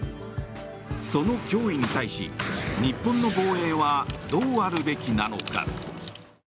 その脅威に対し、日本の防衛はどうあるべきなのか。